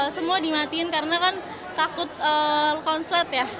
semua dimatiin karena kan takut konslet ya